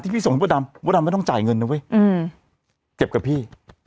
พี่ส่งให้พ่อดำมดดำไม่ต้องจ่ายเงินนะเว้ยเจ็บกับพี่